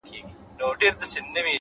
مهرباني د زړونو یخ له منځه وړي,